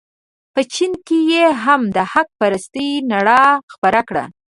په چین کې یې هم د حق پرستۍ رڼا خپره کړه.